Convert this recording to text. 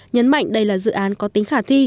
nhấn mạnh đây là dự án có tính khả thi